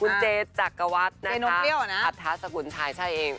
คุณเจจักรวัตรอัทธัสกุนฉาย